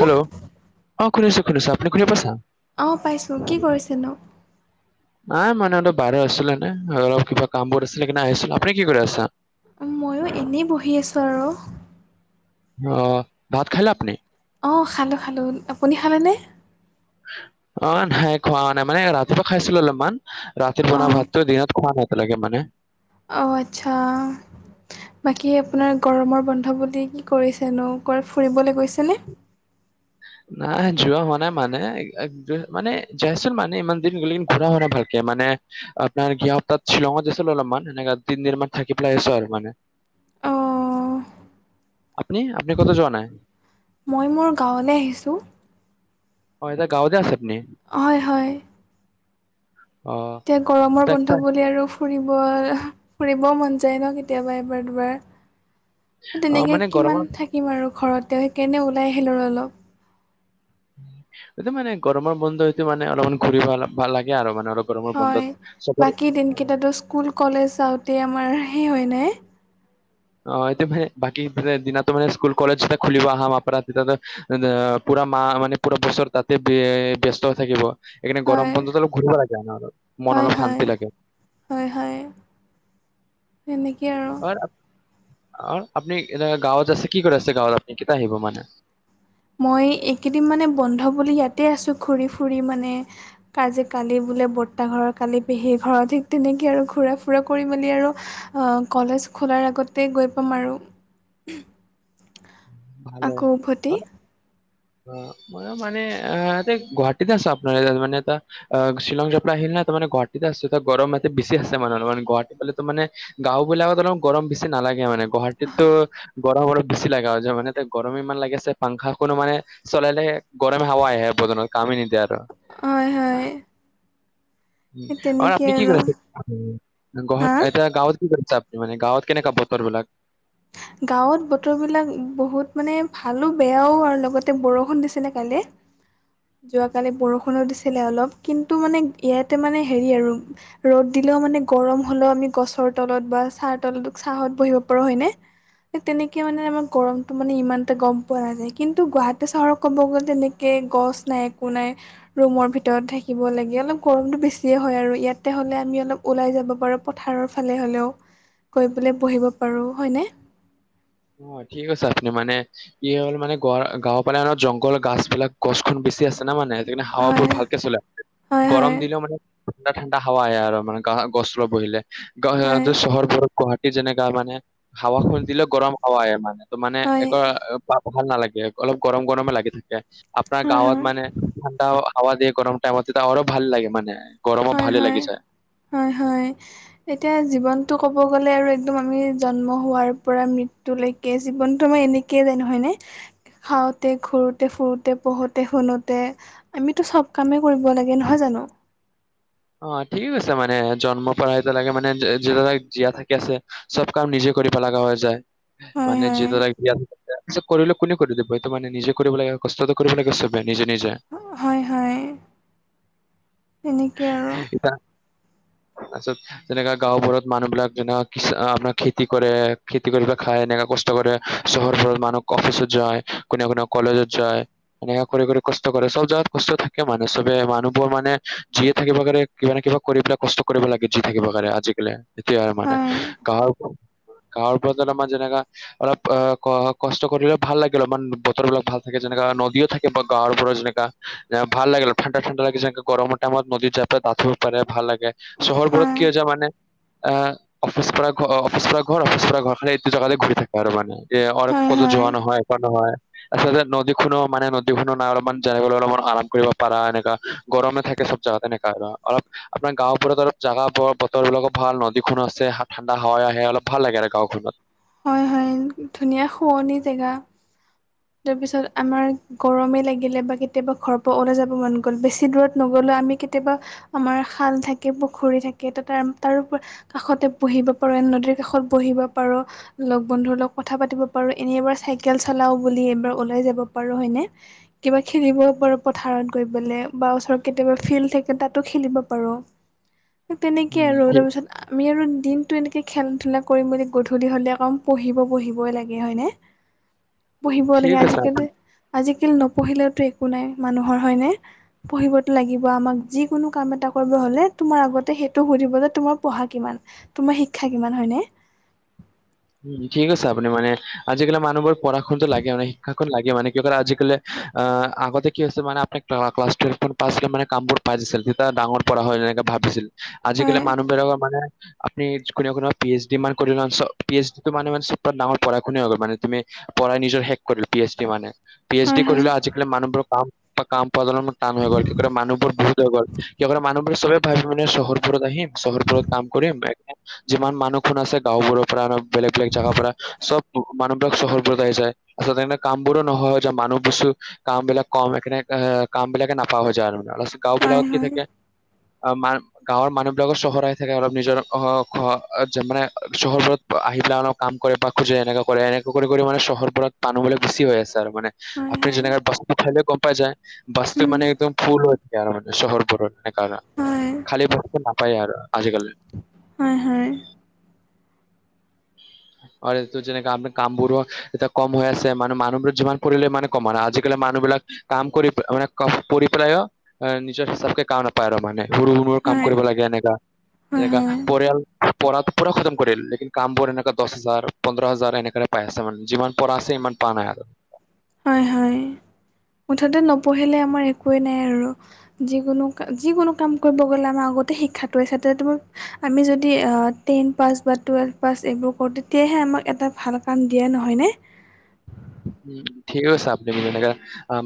Hello অ শুনিছো শুনিছো আপুনি শুনি পাইছা অ', পাইছোঁ কি কৰিছেনো। [inaudible] নাই মই অলপ বাহিৰত আছিলো নে কিবা কাম বোৰ আছিলে কি আহিছিলো আপুনি কি কৰি আছা। ময়ো এনেই বহি আছো আৰু। অ', অ', ভাত খালে আপনি। অ', খালো খালো আপুনি খালেনে। অ', নাই খোৱা নাই মানে ৰাতিপুৱা খাইছিলো অলপমান ৰাতি বনোৱা অঁ ভাতটো দিনত খোৱা নাই। এনেকে মানে। অ', আচ্ছা বাকী আপোনাৰ গৰমৰ বন্ধ বুলি কি কি কৰিছেনো ক'ৰাৱাত ফুৰিবলৈ গৈছেনে। নাই যোৱা হোৱা নাই মানে যাইচোন মানে ইমান দিন গলে কি ঘুৰা হোৱা নাই ভালকে মানে আপোনাৰ সিহতাত শ্বিলং যাইছিলো অলপমান এনেকা তিন দিন মান থাকি পেলাই আহছো আৰু মানে। অঁ আপনি আপনি কতো যোৱা নাই। মই মোৰ গাঁৱলৈ আহিছো। হয়, এতিয়া গাঁওতে আছে আপুনি। হয়, হয়। অ এতিয়া গৰমৰ তাক বন্ধ তাক বুলি আৰু ফুৰিব ফুৰিবও মন যায় ন কেতিয়াবা এবাৰ দুবাৰ। অ তেনেকে মানে গৰমৰ কিমান থাকিম আৰু ঘৰতে সেই কেনে ওলাই আহিলো আৰু অলপ। সেটো মানে গৰমৰ বন্ধ হয়টো মানে অলপমান ঘূৰি ভাল ভাল লাগে আৰু মানে অলপ। গৰমৰ বন্ধত হয় চবৰ বাকী দিনকেইটাতো স্কুল কলেজ যাওঁতে আমাৰ সেই হয় নাই। অ', এতিয়া মানে বাকী দিনা মানে স্কুল কলেজ যেতিয়া খুলিব আহা মাহাৰ পৰা তেতিয়া পুৰা মাহ মানে পুৰা বছৰ তাতে ব্যস্ত থাকিব। এইকনে গৰম হয় ঘূৰিব লাগে ন মন হয় অলপ হয় শান্তি লাগে। হয় হয় সেনেকে আৰু। অ', আপুনি এনে গাঁওত আছে কি কৰি আছে গাঁওত আপুনি কেতিয়া আহিব মানে। মই এইকেইদিন মানে বন্ধ বুলি ইয়াতে আছো ঘূৰি ফুৰি মানে। আজি কালি বোলে বৰ্তাঘৰৰ কালি পেহী ঘৰৰ ঠিক তেনেকৈ আৰু ঘূৰা ফুৰা কৰি মেলি আৰু। কলেজ খোলাৰ আগতেই গৈ পাম আৰু। [inaudible] আকৌ উভতি অ', মই মানে গুৱাহাটীত আছে আপোনা মানে আটা। আহ শ্বিলং জোৱো পা আহিল না তাৰে গুৱাহাটতে আছে গৰমতে বেছি আছে মানুহ মানে গুৱাহাটী পাললে ত মানে। গাঁওবলাকত অল গৰম বেছি নালাগে মানে গুৱাহাটীতো গৰম ৰম বেছি লাগা যে মানে। এতিয়া গৰমে ইমান লাগিছে পাংখা কো মানে চলালে। গৰমে হাৱা আহে বজত কামেই নিদিয়ে আৰু। হয় হয় উম আৰু আপনি কি কৰে হা গুৱাহাটীৰ এতিয়া গাঁৱত। কি কৰিছে আপুনি মানে গাঁৱত কেনেকা বতৰ বিলাক। গাঁৱত বতৰ বিলাক বহুত মানে ভালো বেয়াও আৰু লগতে বৰষুণ দিছে কালি [inaudible] যোৱাকালি বৰষুণো দিছিলে অলপ কিন্তু মানে ইয়াতে মানে হেৰি আৰু ৰ'দ দিলেও মানে গৰম হ'লেও আমি গছৰ তলত বা চাহ তলত চাহত বহিব পাৰোঁ হয়নে। তেনেকে মানে আমাৰ গৰমটো মানে ইমানতেটা গম পোৱা নাযায় কিন্তু গুৱাহাটী চহৰত ক'ব গ'লে তেনে এ গছ নাই একো নাই। ৰুমৰ ভিতৰত থাকিব লাগে অলপ গৰমটো বেছিয়ে হয় আৰু ইয়াতে হ'লে আমি অলপ ওলাই যাব পাৰোঁ পথাৰৰ ফালে হ'লেও গৈ পেলাই বহিব পাৰোঁ হয়নে। অ' ঠিক কৈছা আপুনি মানে কি হ'ল মানে গ গাঁওৰ পিনে জংঘল গছ বিলাক গছখন বেছি আছে না মানে সেইকাৰনে হাৱাবোৰ হয় ভালকে চলে আ হয় গৰম হয় দিলেও মানে ঠাণ্ডা ঠাণ্ডা হাৱা আহে মানে গছ তলত বহিলে গ হয় চহৰবোৰত যেনেকা মানে হাৱা খুজ দিলেও গৰম হাৱা আহে মানে ত মানে হয় এক ভাল নালাগে অলপ গৰম গৰমে লাগি থাকে আপোনাৰ হয় গাঁৱত মানে ঠাণ্ডা হাৱা দে গৰম টাইমত আৰু ভাল লাগে মানে। গৰমত হয়, ভালে হয়, লাগি যায়। হয়, হয়। এতিয়া জীৱনটো ক'ব গ'লে আৰু একদম আমি জন্ম হোৱাৰ পৰা মৃত্যু টো লকে জীৱনতো আমাৰ এনেকেইে জাই নহয়নে। খাওঁতে ঘূৰোঁতে ফুৰোঁতে পঢ়োঁতে শুনোঁতে আমিতো চব কামেই কৰিব লাগে নহয় জানো। অ', ঠিকে কৈছে মানে জন্ম পৰা এতিয়ালকে মানে যেতিাল জীয়া থাকি আছে। চব কাম নিজে কৰিব লগা হৈ যায় হয় মানে হয় যিদৰে তাৰ পিছত কৰিলে কোনে কৰি দিব এইটো মানে নিজে কৰিব লাগে কষ্টত কৰিব লাগে সবে নিজে নিজে। হয় তেনেকৈ আৰু- তাৰপাছত যেনেকা গাঁওবোৰত মানুহ বিলাক যেনে আপোনাৰ খেতি কৰে খেতি কৰি খাই এনেকুৱা কষ্ট কৰে। চহৰ বোৰৰ মানুহ অফিচত যায় কোনে কোনে কলেজত যায়। এনেকে কৰে কৰি কষ্ট কৰে সব জেগাত কষ্ট থাকে মানে চবে মানুহবোৰ মানে জিয়াই থাকিব কাৰনে কিবা নে কিবা কৰি পেলাই কষ্ট কৰিব লাগে যি থাকিব কাৰাৰে আজিকালি এটোয় মানে হয় গাহৰ গাহৰপৰতে নমই যেনেকা অলপ অ কষ্ট কৰিলে ভাল লাগিল অলপ মমান বতৰ বিলাক ভাল থাকে যেনেককা নদীও থাকে বা গাঁৱৰ পৰা যেনেককা ভাল লাগিল ঠাণ্ডা ঠণ্ডা লাগি যাই গৰমত। মাৰ নদীৰ জাপ পাৰে ভাল লাগে চহৰবোৰত হয় কি হৈছে মানে অ', অফিচ পৰা অফিচছ পৰা ঘৰ অফিচ পৰা ঘৰ খালি এইটো জোগাতে ঘূৰি থাকে। আৰু মানে যে অনেক হয় কতো হয় জাৱা নহয় এনেকুৱা নহয়। আচলতে নদীখনো মানে নদী খনৰো নাই অলপমান জানিবলৈ অলপমান আৰাম কৰিব পাৰা এনেকুৱা গৰমে থাকে। চব জগাতে নিকালা আপোনাৰ গাঁওবোৰত অলপ জেগাবোৰ বতৰ বিলাকো ভাল নদীখনো আছে ঠাণ্ডা হাৱাই আহে অলপ ভাল লাগে আৰু গাওখনত। হয়, হয়, ধুনীয়া শুৱনি জেগা। [inaudible] তাৰপিছত আমাৰ গৰমেই লাগিলে বা কেতিয়াবা ঘৰৰ পৰা ওলাই যাব মন গ'ল বেছি দূৰত নগ'লেও আমি কেতিয়াবা আমাৰ খাল থাকে পুখুৰী থাকে তাতে তাৰুউপৰি কাষতে বহিব পাৰো এ নদীৰ কাষত বহিব পাৰো। লগ বন্ধুৰ লগ কথা পাতিব পাৰো এনে এবাৰ চাইকেল চলাও বুলি এবাৰ ওলাই যাব পাৰো হয়নে। কিবা খেলিবও পাৰোঁ পথাৰত গৈ পেলাই বা ওচৰত কেতিয়াবা ফিল্ড থাকে তাতো খেলিব পাৰোঁ। [inaudible] তেনেকে উম, আৰু ঠিক তাৰ পিছত আমি আৰু দিনতটো এনেকে খেলা ধলা কৰিম বুলি গধূলি হ'লে কম পঢ়িব পঢ়িবই লাগে হয়নে পঢ়িব ঠিক লাগে কৈছা আপুনি। আজিকালি আজিকালি নপঢ়িলেওতো একো নাই মানুহৰ হয়নে। পঢ়িবতো লাগিব আমাক যিকোনো কাম এটা কৰিব হলে তোমাৰ আগতে সেইটো সুধিব যে তোমাৰ পঢ়া কিমান। তোমাৰ শিক্ষা কিমান হয়নে। উম, ঠিক আছে আপুনি মানে আজিকালি মানুহবোৰ পঢ়াশুনাটো লাগে মানে শিক্ষাখন লাগে মান কি কৰে আজিকালি আগতে কি হৈছে মান আপ ক্লাছটোৱেলভ পাছ হলে মান কামবোৰ পাইছিল তেতিয়া ডাঙৰ প়া হয় এনেকে ভাবিছিল। আজিকালি হয় মানুহবিলাকৰ মানে আপুনি কোবা কোনোবা পি এইচ ডি মান কৰি ল পি এইচ ডিটো মান মানে নামাৰ প়া খুনে মে তুমি প়াই নিজৰ হেক কৰি পি এইচ ডি মে পি এইচ ডি হয় হয় কৰিলে আজিকালি মানুহবোৰৰ কাম বা কাম প্ৰদ টান হৈ গ'ল কি মানুহবোৰ বহুত হৈ গ'ল কি মুহেৰ চবে ভাবি মানে চহৰুৰত আহি চহৰবোৰত কাম কৰিম যিমান মানুহ খন আছে গাঁওবোৰৰ পৰা বেলেগ বেলেগ জেগাৰ পৰা চব মানুহবিলাক চহৰবোৰত আহি যায় আচলতে কামবোৰো নহোৱা য মানুহ বস্তু কাম বিলাক কম সকাৰনেে কাম বিলাকে নাপা হৈ যায় আৰু মানে অল গাও হয় বিলাকত কি হয় থাকে অ মান গাঁৱৰ মানুহবলাকৰ চহৰই থাকে অলপ নিজৰ অ মানে চহৰবোৰত আহি পেলাই অলপ কাম কৰে বা খোজে এনেকুৱা কৰে এনেককা কৰি মানে চহৰবোৰত বানুহলৈ বুছি হৈ আছে আৰু মানে হয় আপুনি হয় যেনেগ খাল গম পাই যায় বাস্ত উম মানে একদম ফুল হৈ যায় আৰু মানে চহৰবোৰৰ ননে কাৰা হয় খালী বস্তটো নাপায় আৰু আজিকালি হয় হয় আৰু এইটো যেনেককা আপোনাৰ কামবোৰো এতিয়া কম হৈ আছে মানে মানুহবোৰ যিমান পৰিলে ইমানে কম ন আজিকালি মানুহবলাক কাম কৰি মানে পৰিপ্ৰায় নিজৰ হিচাপক কাম ন পায় আৰু মানে সৰু স কাম হয় কৰিব লাগে এনেকা হয় হয় যেনেকা পৰিয়াল প পা খতম কৰেল লেন কাম বোৰ এনে দহ হাজাৰ পোধ হাজাৰ এনেকে পাই আছে মানে যিমান পৰা আছে ইমান পোৱা নাই হয় হয় মুঠতে নপঢ়িলে আমাৰ একোৱেই নাই আৰু যিকোনো ক যিকোনো কাম কৰিব গ'লে আমাৰ আগতে শিক্ষাটো হৈছে তেতে মোৰ আমি যদি টেন পাছ বা টুৱেলভ পাছ এইবোৰ কৰোঁ তেতিয়াহে আমাক এটা ভাল কাম দিয়ে নহয়নে উম ঠিক আছে আপু ম নে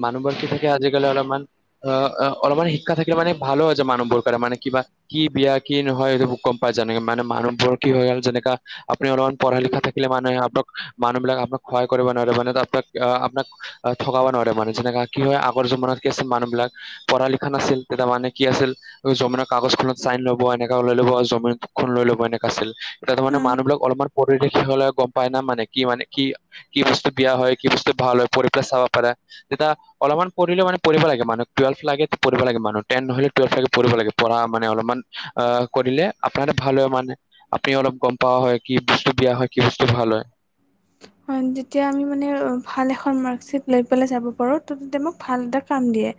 মানুবৰ্ষী থ আজিকালি অলপমান অ অ অলপমান শিক্ষা থাকিলে মানে ভাল হৈ য মানুহবোৰ কাৰে মানে কিবা কি বিয়া কি নহয় এইেইটো মোক গম পাই জানে মানে মানুহবোৰৰ কি হৈ গ'ল যেনেককা আপুনিলপমান পঢ়া লিখা থাকিলে মানুহে আপোন মানুহিলাকপোনাক সহ কৰিব নোৱাৰে মানে আপোনাক থকাাব নোৱাৰে মানে যেনেকা কি হয় আগৰ জমানাত কি আছিল মানুহ বিলাক পঢ় লিখা নাছিল তে তান কি আছিল জমিনৰ কাগজখনত চাইন ল'ব এনেককা লাই লব আৰু জমিন খ লৈ ল'ব এনেকাা আছিল ত ত মানে মানুহ বিলাক অলপমান পৰিৱেশ হলে গম পাই না মানে কি মানে কি কি বস্তু বিয়া হয় কি বস্তু ভাল হয় পঢ়ি পেলাই চাব পাৰা, তেতিয়া অলপমান পঢ়িলে মানে পঢ়িব লাগে মানুহ টুৱেলভলেকে পঢ়িব লাগে মানুহ, টেন নহলে টুৱেলভলেকে পঢ়িব লাগে পঢ়া মানে অলপমান আহ, কৰিলে আপোনাৰে ভাল হয় মানে। আপুনি অলপ গম পাৱা হয়, কি বস্তু বিয়া হয়, কি বস্তু ভাল হয়। অ', তেতিয়া আমি মানে ভাল এখন মাৰ্কশ্বিট লৈ পেলাই যাব পাৰোঁ, ত' তেতিয়া মোক ভাল এটা কাম দিয়ে।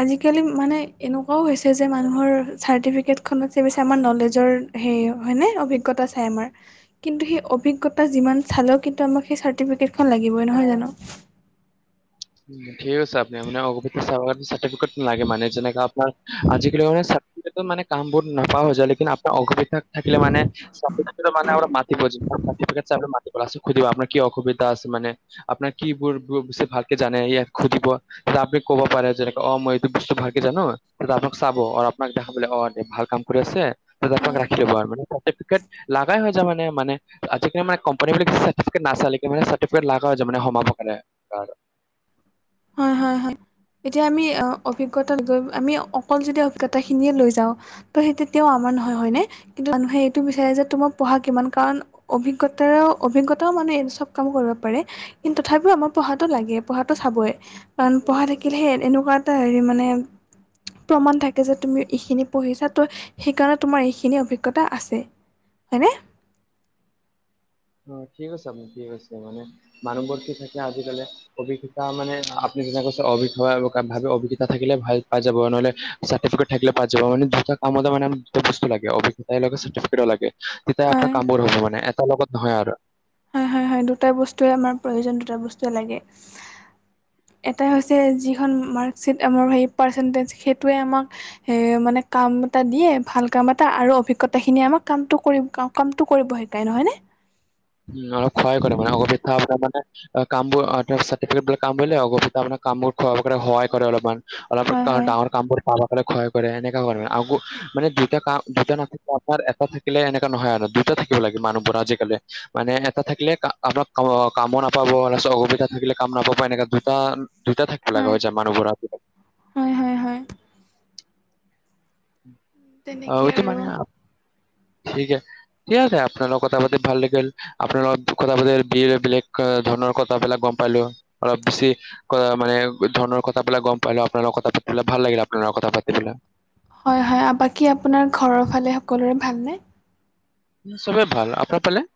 আজিকালি মানে এনেকুৱাও হৈছে যে, মানুহৰ চাৰ্টিফিকেটখনত চে বেছি আমাৰ নলেজৰ হেই হয়নে? অভিজ্ঞতা চাই আমৰ, কিন্তু সেই অভিজ্ঞতা যিমান চালেও কিন্তু আমাক সেই চাৰ্টিফিকেট খন লাগিবই, নহয় জানো? ঠিক আছে, আপুনি আপোনাৰ অসুবিধা চাব চাৰ্টিফিকেট লাগে মানে যেনেকে আপোনাৰ, আজিকালি মানে চা চাৰ্টিফিকেটট মানে কাম বোৰ নাপা হৈ যায়, লেকিন আপোনাৰ অসুপক্ষা থাকিলে মানে চাৰ্টিফিকেটত মানে আপোনাক মাতিব [inaudible] চাৰ্টিফিকেট [inaudible] লাষ্টত সুধিব আপোনাৰ কি অসুবিধা আছে? মানে আপোনাৰ কি বোৰ [inaudible] ভালকে জানে ইয়াক সুধিব। তেতিয়া আপুনি কব পাৰে যেনে অ, মই এইটো বস্তু ভালেকে জানো, তেতিয়া আপোনাক চাব, আৰু আপোনাক দেখাবলে অ, দে ভাল কাম কৰি আছে, তেতিয়া আপোনাক হয় ৰাখি ল'ব, আৰু মানে চাৰ্টিফিকেট লাগাই হৈ যায় মানে মানে। আজিকালি মানে কোম্পানী বুলি চাৰ্টিফিকেট নাচালে [inaudible] চাৰ্টিফিকেট লাগা হৈ যায় সোমাব কাৰণে আৰু। হয়, হয়, হয়। এতিয়া আমি অ, অভিজ্ঞতা লৈ আমি অকল যদি অভিজ্ঞতাখিনিয়ে লৈ যাওঁ ত' সেই তেতিয়াও আমাৰ নহয়, হয় নে? কিন্তু মানুহে এইটো বিচাৰে যে তোমাৰ পঢ়া কিমান, কাৰণ অভিজ্ঞতাৰেওঁ অভিজ্ঞতাও মানে এ চব কাম কৰিব পাৰে কিন্তু তথাপিও আমাৰ পঢ়াতটো লাগে, পঢ়াটো চাবই। কাৰণ পঢ়া থাকিলেহে এন-এনেকুৱা এটা হেৰি মানে প্ৰমাণ থাকে যে তুমি এইখিনি পঢ়িছা, ত' সেইকাৰণে তোমাৰ এইখিনি অভিজ্ঞতা আছে। হয়নে? অ, ঠিকে কৈছে আপুনি ঠিকে কৈ, মানে মানুহবোৰ কি থাকে আজিকালি অভিজ্ঞতা মানে আপুনি যেনেকে কৈছে [unintelligible] ভাবে অভিজ্ঞতা থাকিলে ভাল পাই যাব, নহলে চাৰ্টিফিকেট থাকিলে পাই যাব, মানে দুটা কামতে মানে দুটা বস্তু লাগে অভিজ্ঞতাও চাৰ্টিফিকেটও লাগে। তেতিয়া আপোনাৰ হয় কামবোৰ হ'ব মানে এটাৰ লগত নহয় আৰু। হয়, হয়, হয়, দুটা বস্তুয়ে আমাৰ প্ৰয়োজন, দুটা বস্তুয়ে লাগে। এটা হৈছে যিখন মাৰ্কশ্বিট, আমাৰ হেই পাৰ্চেণ্টেজ সেইটোৱে আমাক সে মানে কাম এটা দিয়ে ভাল কাম এটা, আৰু অভিজ্ঞতা খিনিয়ে আমাক কামটো কৰিম [unintelligible] কামটো কৰিব শিকাই, নহয়নে? উম, অলপ সহায় কৰে মানে অলপ [unintelligible] মানে অ, কামবোৰ অ, তেওঁক চাৰ্টিফিকেট বিলাক কাম কৰিলে [unintelligible] আপোনাৰ কামবোৰ [unintelligible] সহায় কৰে অলপমান। অলপ হয় [unintelligible] হয় ডাঙৰ কাম কৰে [unintelligible] সহায় কৰে এনেকা কৰে আকৌ মানে দুটা কাম দুটা নাথাকিলে আপোনাৰ এটা থা কিলে এনেকা নহয় আৰু, দুটা থাকিব লাগে মানুহৰ আজিকালি। মানে এটা থাকিলে কা আপোনাক আ, কামো নাপাব [unintelligible] অসুবিধা থাকিলে কাম নাপাব এনেকা দুটা দুটা থাকিব লাগা হয় হয়ছে মানুহবোৰৰ আজিকালি। হয়, হয়, হয়। অ, তেনেকে এইটো আৰু মানে [unintelligible] ঠিক আছে, আপোনাৰ লগত কথা পাতি ভাল লাগিল। আপোনাৰ লগত কথা বি-বেলেগ ধৰণৰ কথাবিলাক গম পালোঁ, অলপ বেছি [unintelligible] মানে ধৰনৰ কথা বিলাক গম পালোঁ, আপোনালগত কথা পাতিপেলাই ভাল লাগিলে আপোনাৰ লগত কথা পাতি [unintelligible] হয়, হয়, বাকী আপোনাৰ, ঘৰৰ ফালে সকলোৰে ভালনে? উম, চবেই ভাল, আপোনাৰ ফালে?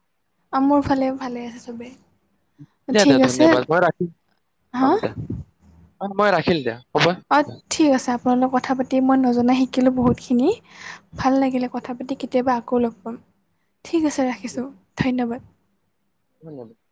মোৰ ফালে ভালে আছে চবেই। দিয়া দিয়া ঠিক আছে, ধন্যবাদ মই ৰাখিম অ হা? দিয়া মই ৰাখিল দিয়া, হব। অ, ঠিক আছে আপোনাৰ লগত কথা পাতি মই নজনা শিকিলোঁ বহুতখিনি, ভাল লাগিলে কথা পাতি কেতিয়াবা আকৌ লগ পাম। ঠিক আছে দিয়া ৰাখিছোঁ, ধন্যবাদ। [unintelligible]